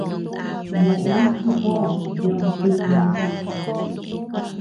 Neʼe chi koʼöd did ntiñu.